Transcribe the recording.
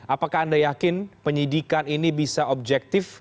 apakah anda yakin penyidikan ini bisa objektif